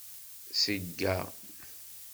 Seg-a.